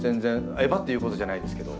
えばって言うことじゃないですけど。